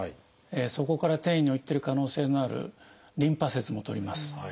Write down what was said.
そこから転移のいってる可能性のあるリンパ節も取ります。